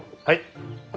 はい。